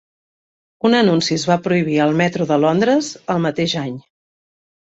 Un anunci es va prohibir al metro de Londres el mateix any.